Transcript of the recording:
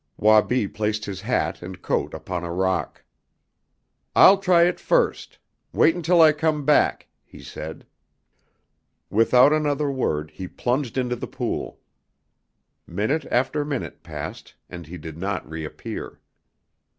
Wabi placed his hat and coat upon a rock. "I'll try it first. Wait until I come back," he said. Without another word he plunged into the pool. Minute after minute passed, and he did not reappear.